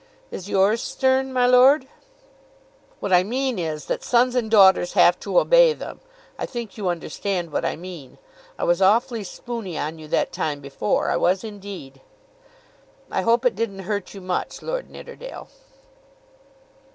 "Is yours stern, my lord?" "What I mean is that sons and daughters have to obey them. I think you understand what I mean. I was awfully spoony on you that time before; I was indeed." "I hope it didn't hurt you much, Lord Nidderdale."